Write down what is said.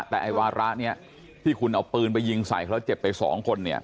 แต่มันที่คุณเอาปืนไปยิงใส่เขาแล้วเจ็บไปสองคน